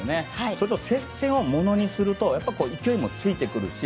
それと接戦をものにすると勢いもついてくるし